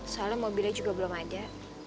soalnya mobilnya juga belum ada